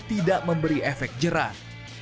tidak memberi efek jerat